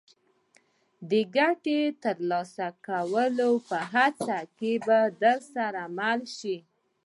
د ګټې ترلاسه کولو په هڅه کې به درسره مل شي.